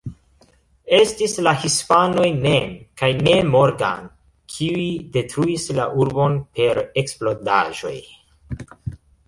Estis la hispanoj mem kaj ne Morgan, kiuj detruis la urbon per eksplodaĵoj.